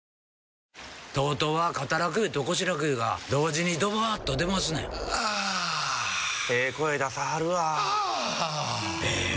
ＴＯＴＯは肩楽湯と腰楽湯が同時にドバーッと出ますねんあええ声出さはるわあええ